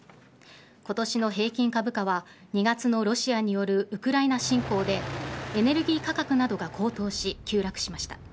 今年の平均株価は２月のロシアによるウクライナ侵攻でエネルギー価格などが高騰し急落しました。